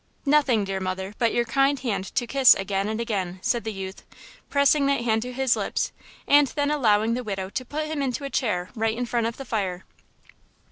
"Nothing, dear mother, but your kind hand to kiss again and again!" said the youth, pressing that hand to his lips and then allowing the widow to put him into a chair right in front of the fire.